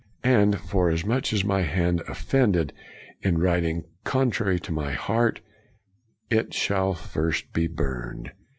And forasmuch as my hand offended in writing contrary to my heart, it shall first be burned.